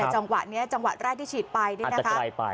จังหวะนี้จังหวะแรกที่ฉีดไปนี่นะคะ